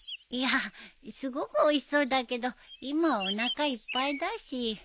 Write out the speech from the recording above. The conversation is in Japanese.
いやすごくおいしそうだけど今おなかいっぱいだし。